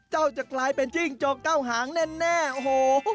จะกลายเป็นจิ้งจกเก้าหางแน่โอ้โห